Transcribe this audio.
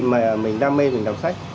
mà mình đam mê mình đọc sách